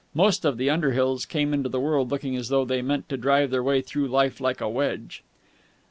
Most of the Underhills came into the world looking as though they meant to drive their way through life like a wedge.